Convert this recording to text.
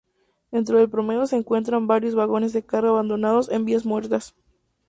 Dentro del predio se encuentran varios vagones de carga abandonados en vías muertas.